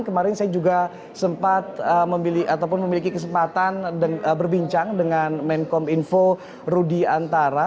kemarin saya juga sempat memiliki kesempatan berbincang dengan mencom info rudy antara